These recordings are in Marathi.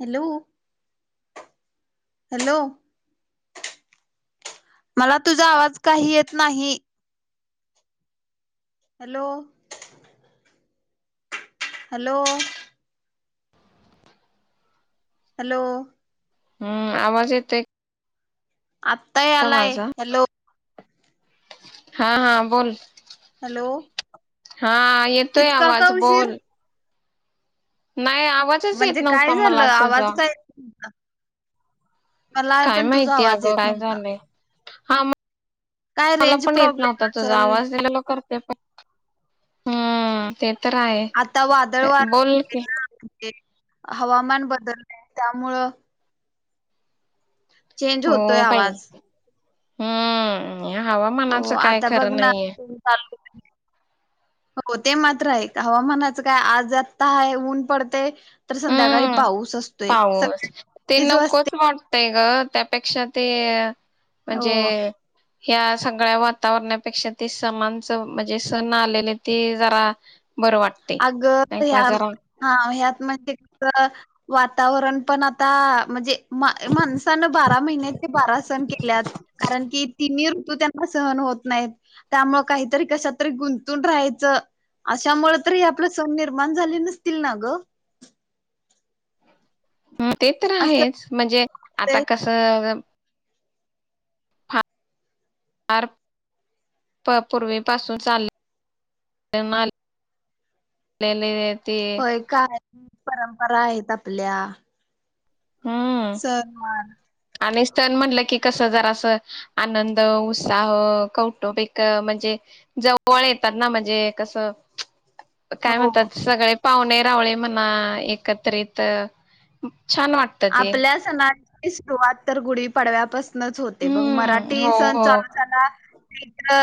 हॅलो हॅलो मला तुझा आवाज काही येत नाही. हॅलो हॅलो हॅलो हूं आवाज येतय. आता यालाय हॅलो हा हा बोल हॅलो हा येतोय इतका का आवाज उशीर बोल नाही आवाजच येत म्हणजे काय नव्हता झालं मला तुझा आवाज काय [unintelligible] मला काय पण तुझा माहितीय आवाज अगं येत काय नव्हता झालंय. हा म काय मला रेंज पण येत प्रॉब्लेम नव्हता तुझा असल आवाज हॅलो हॅलो करते पण हूं ते तर आहे आता वादळ वार बोल कि, हवामान बदललंय त्यामुळ चेंज होतोय आवाज. हूं! हो हवामानाचं काय आता बघ खरं ना नाहीये. चालू हो ते मात्र आहे हवामानाचं काय आज आत्ता आहे ऊन पडतय तर संध्याकाळी हम्म पाऊस असतोय स जो असते. नही ग त्यापेक्षा ते? हो म्हणजे ह्या सा गळ्या वातावरणापेक्षा ते समानच, म्हणजे सण आलेले ते जरा बरं वाटते अग नाही का ह्या जरा हा ह्यात म्हणजे तर वातावरण पण आता म्हणजे माणसान बारा, महिन्या ते बारा सण केल्यात, कारण की तिन्ही तू त्यांना सहन होत नाहीत, त्यामुळे काहीतरी कशात तरी गुंतून राहायचं अशामुळ तरी आपलं सण, निर्माण झाले नसतील ना ग ते तर असं आहेच म्हणजे आता होतंय. कसं फार पूर्वी पासून चाल नाल नेलेले होय काय? परंपरा आहेत आपल्या. हम्म सणवार आणि सण म्हनलं की कसं जरा असं आनंद, उत्साह, कौटुंबिक म्हणजे जवळ येतात, ना म्हणजे कसं काय हो म्हणतात सगळे. पाहुणे रावळे म्हणा एकत्रित छान वाट आपल्या सणा सुरुवात तर गुढी पाडव्यापसू नच होते बग हम्म मराठी हो सण हो चालू झाला. अ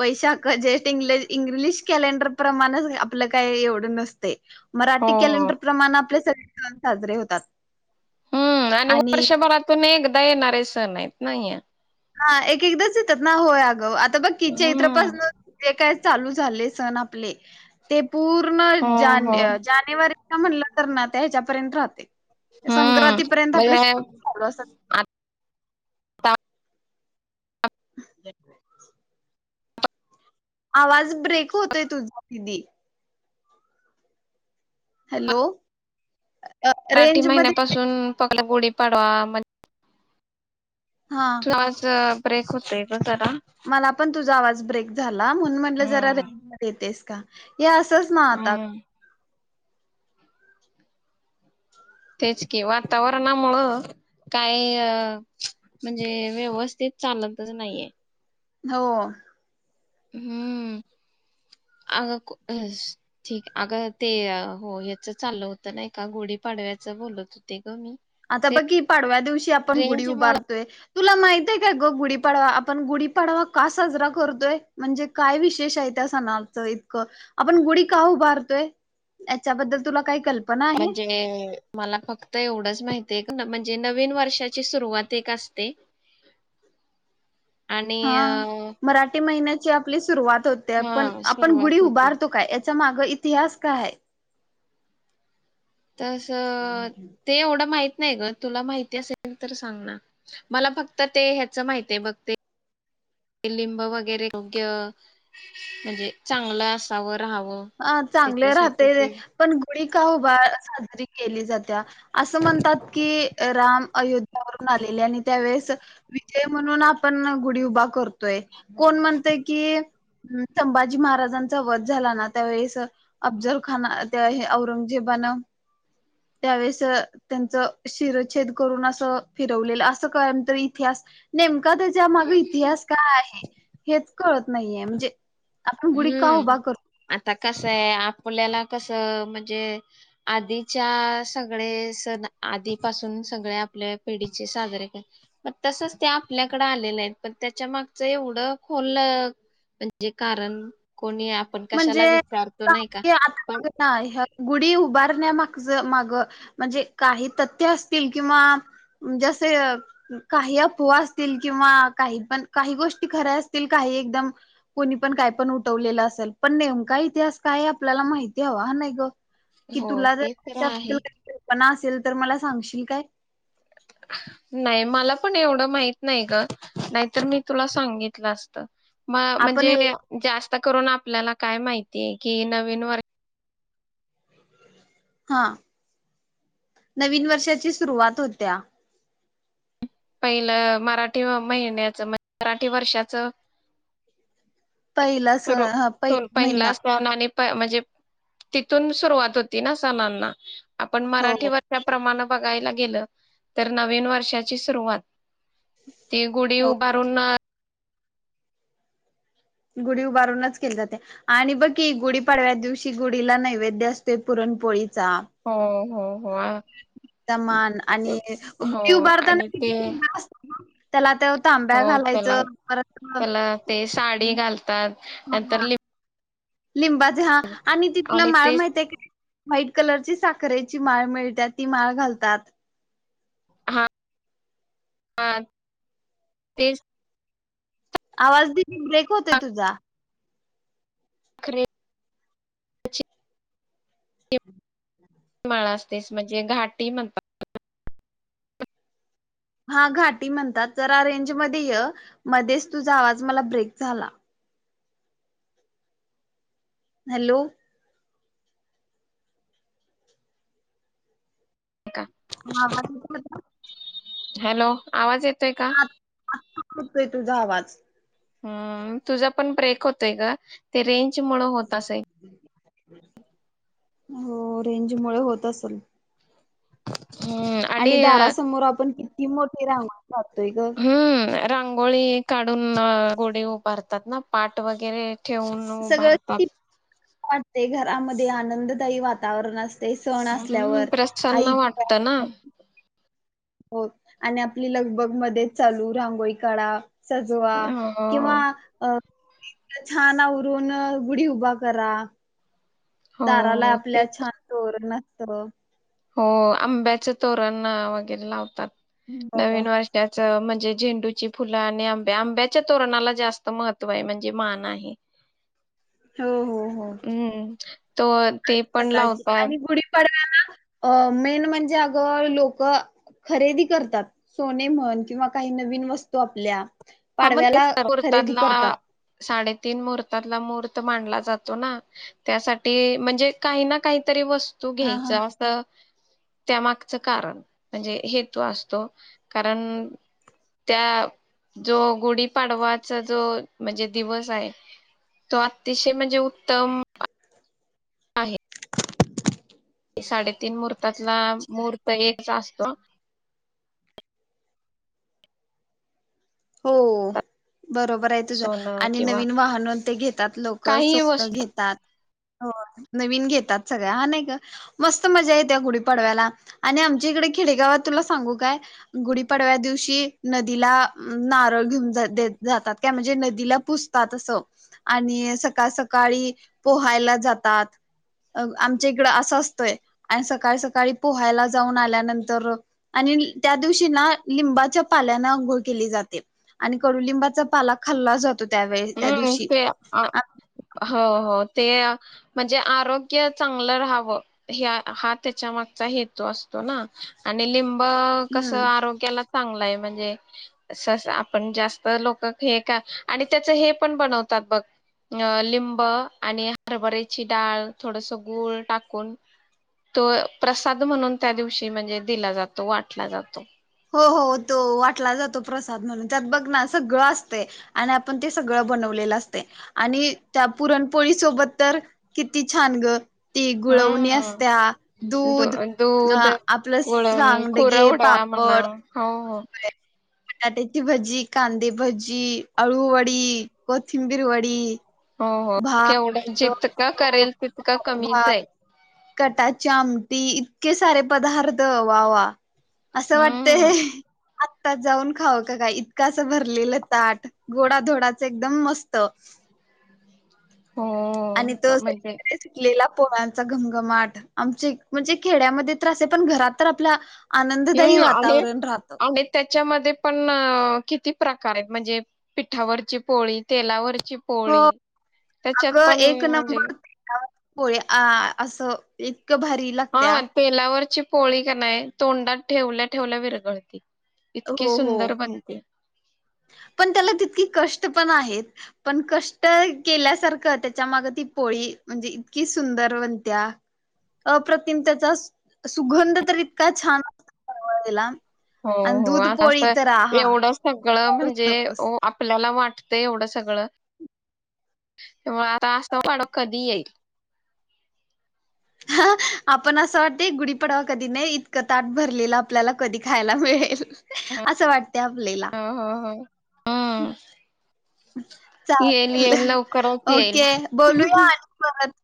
वैशाख जेष्ठ इंग्ल इंग्लिश कॅलेंडर प्रमाणचं आपलं काय एवढं नस मराठी हो हो कॅलेंडर प्रमाण आपल्या सण साजरे होतात. हूं आणि वर्षभरातून एक येनारे सण आहेत ना हे. हा एकेकदाच येतात ना होय अगं आता बघ कि हम्म चैत्रपासन जे काय चालू झाले सण आपले ते पूर्ण हो जान हो ऐ जानेवारी म्हणलं तर ना ते ह्याच्यापर्यंत राहते. हा, संक्रांतीपर्यंत मग आपले ह्या सण यात चालू असतात. आ [unintelligible] आवाज ब्रेक होतोय तुझा दिदी हॅलो अ रेंजमध्ये ते पाडवा म हा त्रास ब्रेक होतय ग तन मला पण तुझा आवाज ब्रेक झाल ला म्हणून म्हटलं जरा हम्म रेंज मध्ये येतेस का? हे असंच ना आता हम्म तेच की वातावरणामुळं काय म्हणजे व्यवस्थित चालतच नाहीये. हो हम्म अग ठीक अग ते हो याच चाललं होत नाही का गोढी पाडव्याच बोलत होते ग मी आता बघ कि पाडव्या दिवशी आपण गुढी रेंज उभारतोय तुला माहित आहे काय ग गुढीपाडवा आपण गुढीपाडवा का साजरा करतोय? म्हणजे काय विशेष आहे त्या सणाचं इतकं आपण गुढी का उभारतोय? याच्याबद्दल तुला काही कल्पना आहे म्हणजे मला फक्त एवढंच माहित ते एक म्हणजे नवीन वर्षाची सुरुवात एक असते. आणि हा अ, मराठी महिन्यात ची आपली सुरुवात होत्या पण हा आपण गुढी सुरुवात होते उभारतो काय? च्या माग इतिहास काय हाये? तस ते एवढं माहित नाही ग तुला माहिती असेल तर सांग ना मला फक्त ते ह्याच माहिते बघ ते ते लिंब वगैरे योग्य म्हणजे चांगलं असाव अ चांगले राहते पण गुडी का उभा साजरी केली जात्या असं म्हणतात की राम अयोध्यावरून आलेले आणि त्यावेळेस विजय म्हणून आपण गुढी उभा करतोय. कोण म्हणतय की संभाजी महाराजांचा वध झाला ना त्यावेळेस अफजल खान त्या औरंगजेबानं त्यावेळेस त्यांच शिरछेद करून असं फिरवलेलं असं काय तरी इतिहास नेम का त्याच्या माग इतिहास काय आहे? हेच कळत नाहीये, म्हणजे आपण गुडी का उभा कर कसय आपल्याला कसं म्हणजे आधीच्या सगळे सण आधीपासून सगळे आपल्या पिढीचे साजरे कर मग तसच ते आपल्याकडे आलेलेत पण त्याच्या मागच एवढं खोललं म्हणजे कारण कोणी आपण कशाला म्हणजे विचारतो नाही का पण आता ह्या गुढी उभारण्या मागच माग म्हणजे काही तथ्य असतील किंवा जसे काही अफवा असतील किंवा काही पण काही गोष्टी खऱ्या असतील काही एकदम कोणी पण काय पण उठवलेलं असल. पण नेमका इतिहास काय आपल्याला माहिती हवा, हा नाही ग कि हो तुला जर ते तर त्या बद्दल आहे कल्पना असेल तर मला सांगशील काय? नाही मला पण एवढं माहित नाही ग, नाहीतर मी तुला सांगितलं असतं. म आपण एवढ म्हणजे जास्त आता करून आपल्याला काय माहितीय की नवीन वर हा नवीन वर्षाची सुरुवात होत्या. पहिलं मराठी महिन्याच मराठी वर्षाच पहिला स पहिला सन आणि म्हणजे तिथून सुरुवात होती ना सणांना आपण हो मराठी वर्षा प्रमाण बगायला गेलं तर नवीन वर्षाची सु सुरुवात ती गुढी हो उभारून गुढी उभारूनच केली जाते आणि बग की गुढीपाडव्या दिवशी गुढीला नैवेद्य असतो पुरणपोळी. हो हो आ ते मान ते आणि हो गुढी आणि उभारताना ते कीती त्याला त्या तांब्या हो त्याला घालायचं परत त्याला ते साडी घालतात. हा नंतर हा लि लिंबाचे हा आणि ति तुला माळ माहित आहे का? व्हाईट कलरची साखरेची माळ मिळते ती माळ घालतात. हा हा तेच आवाज दि ब्रेक होतेय तुझा साख रेची माळा असतेस म्हणजे घाटी म्हणतात. हा घाटी म्हणतात, जरा रेंज मध्ये य मध्येच तुझा आवाज मला ब्रेक झाला. हॅलो का हा हा [unintelligible] हॅलो आवाज येत येतो का शकतोय तुझा आवाज हम्म तुझा पण ब्रेक होतोय ग ते रेंज रेंजमुळे होत असेल. हो रेंज मुळे होत असेल हम्म आणि अ, दारासमोर आपण किती मोठे रांगोळी काढतोय ग. हम्म रांंगोळी काढून गुडी उभारतात ना पाट वगैरे ठेऊून उभारतात ते घरामध्ये आनंददायी वातावरण असते ते सण हम्म असल्यावर आई प्रसन्न वाटत ना हो आणि आपली लगबग मध्येच चालू रांगोळी काढ सजवा हो किंवा हो अ छान आवरून गुढी उभा करा दाराला हो ते आपल्या तर- छान तोरणात त हो आंब्याच तोरणना वगैरे लावतात. हो नवीन वर्षाच म्हण म्हणजे झेंडूची फुलं आणि आंब्या आंब्याच्या तोरणाला जास्त महत्त्व आहे म्हणजे मान आहे. हो हो हो तर ते पण लावतात अ मेन म्हणजे अग लोक खरेदी करतात सोने म्हण किंवा काही नवीन वस्तू आपल्या हा मग ते पाडव्याला ना खरेदी मुर्तातला करतात. साडे तीन मुहूर्तातला मुहूर्त मानला जातो ना, त्यासाठी म्हणजे काही ना काहीतरी वस्त तू हा घ्यायच हा. असं त्यामागचं कारण म्हणजे हेतू असतो कारण त्या जो गुढीपाडवाचा जो म्हणजे दिवस आहे तो अतिशय म्हणजे उत्तम आहे साडेतीन मुहर्तातला महूर्त एकच असतो. हो बरोबरे तुझं सोनं आणि किंवा नवीन वाहन ते घेतात लोक काही सोनं वस्तू घेतात हो नवीन घेतात सगळ्या हा नाही का मस्त मजा येत्या गुढीपाडव्याला आणि आमच्या इकडे खेडेगावात तुला सांगू काय गुढीपाडव्या दिवशी नदीला नारळ घेऊन जात्यात जातात काय म्हणजे नदीला पुसतात असं आणि सकाळ सकाळी पोहायला जातात आमच्या इकडं असं असतंय आणि सकाळ सकाळी पोहायला जाऊन आल्यानंतर आणि त्या दिवशी ना लिंबाच्या पाल्यान अंघोळ केली जाते आणि कडुलिंबाचा पाला खाल्ला जा हुं ते आ हो हो ते म्हणजे आरोग्य चांगलं राहावं हे हा त्याच्या मागचा हेतू असतो ना आणि लिं ब कसं हम्म आरोग्याला चांगलाय म्हणजे ससा आपण जास्त लोक हे का आणि त्याचा हे पण बनवतात बघ अ लिंब आणि हरभरीची डाळ थोडसा गूळ टाकून तो प्रसाद म्हणून त्या दिवशी म्हणजे दिला, जातो वाटला जातो. ओ हो तो वाटला जातो प्रसाद म्हणून त्यात बघ ना सगळं असतय आणि आपण ते सगळं बनवलेलं असतय आणि त्या पुरणपोळी सोबत तर किती छान गं ती गुळवणी हा असत्या दूध दूध अ आपलं सांगडगे पाप हो ना हो ओ हो बटाट्याची भजी, कांदी भजी, अळूवडी, कोथिंबीर वडी हो-हो केवढं भात जितक करेल तितक कमीच भात आहे. कटाची आमटी इतके सारे पदार्थ वाह-वाह असं वाटते हम्म हे आत्ताच जाऊन खावा का काय इतक असं भरलेलं ताट गोडाधोडाचं एकदम मस्त आणि तो हो म्हणजे [inaudible] सुटलेला पोळ्यांचा घमघमाट आमचे म्हणजे खेड्यामध्ये त्रास आहे पण घरात तर आपल्या आनंददायी हम्म आणि वातावरण राहतं आणि त्याच्यामध्ये पण किती प्रकारे म्हणजे पिठावरची पोळी तेलावर ची हो पोळी त्याच्यात अगं पण एक म्हणजे नंबर पोळी आ असं भारी लागत्या हा तेलावरची पोळी का नाही तोंडात ठेवल्या-ठेवल्या विरगळती इतकीे हो हो सुंदर बनते. पण त्याला तितकी कष्ट पण आहेत, पण कष्ट केल्यासारखं त्याच्या मागं ती पोळी म्हणजे इतकी सुंदर बनत्या, अप्रतिम त्याचा सु सुगंध तर इतका छान सुरवातीला हो हो असतय एवढंच तर कडं विचारूच म्हणजे ओ नकोस. आपलं त्याला वाटतंय एवढं सगळं तेव्हा आता असलं वाडं कधी येईल? हा आपण असं वाटतय गुढीपाडावा कधी नाही इतकं ताट भरलेलं आपल्याला कधी खायला मिळेल असं वाटते आपलेला. हो हो हो. हम्म. येईल चालतील येईल लवकरच येईल ओके बोलूया आणि परत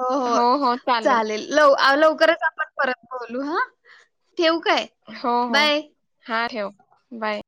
हो-हो हो हो चालेल लव-लव खरंच आपण परत बोलू हां ठेऊ काय हो हो बाय. हा ठेव बाय